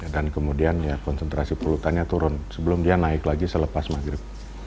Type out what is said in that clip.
dan kemudian konsentrasi polutannya turun sebelum dia naik lagi selepas maghrib